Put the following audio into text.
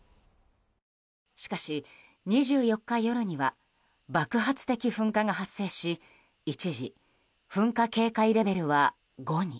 しかし、２４日夜には爆発的噴火が発生し一時、噴火警戒レベルは５に。